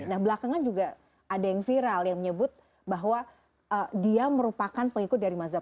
nah belakangan juga ada yang viral yang menyebut bahwa dia merupakan pengikut dari mazhab